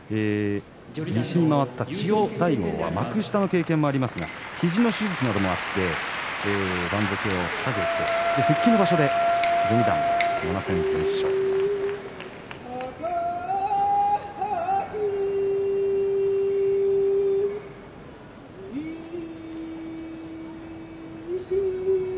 西に回った千代大豪は幕下の経験もありますが肘の手術などもあって番付を下げて復帰の場所で７戦全勝です。